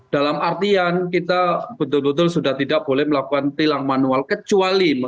dalam artian kita betul betul sudah tidak boleh melakukan tilang manual kecuali